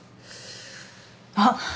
あっ。